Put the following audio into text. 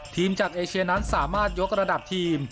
ทีมจากเอเชียนั้นสามารถยกระดับทีม